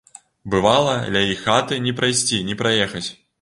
Бывала, ля іх хаты ні прайсці ні праехаць.